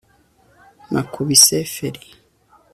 Nakubise feri